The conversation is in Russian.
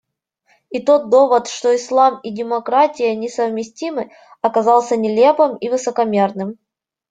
И тот довод, что ислам и демократия несовместимы, оказался нелепым и высокомерным.